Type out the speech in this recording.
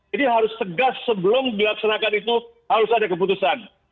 ini harus tegas sebelum dilaksanakan itu harus ada keputusan